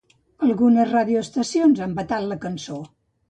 Algunes ràdio estacions han vetat la cançó.